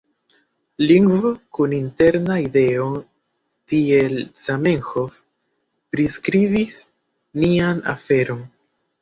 Lingvo kun interna ideo tiel Zamenhof priskribis nian aferon.